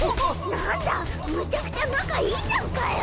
なんだむちゃくちゃ仲いいじゃんかよ。